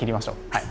はい。